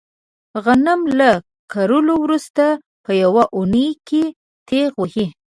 غنم له کرلو ورسته په یوه اونۍ کې تېغ وهي.